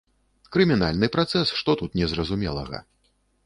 Крымінальны працэс, што тут не зразумелага?